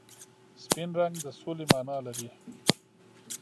سپین رنګ د سولې مانا لري.